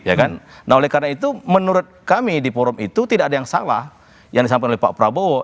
ya kan nah oleh karena itu menurut kami di forum itu tidak ada yang salah yang disampaikan oleh pak prabowo